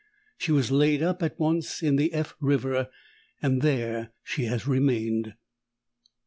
She was laid up at once in the F River, and there she has remained."